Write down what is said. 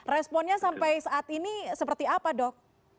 responnya sampai saat ini seperti apa dok